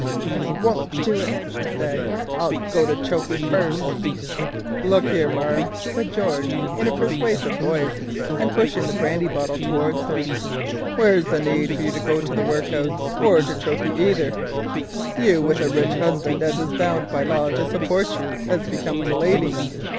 "I won't do it," she said, "I'll go to chokey first——" "Look here, marm," said George, in a persuasive voice, and pushing the brandy bottle towards her, "where's the need for you to go to the workhus or to chokey either—you with a rich husband as is bound by law to support you as becomes a lady?